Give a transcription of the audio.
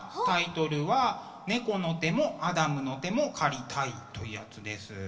タイトルは「猫の手もアダムの手も借りたい」というやつです。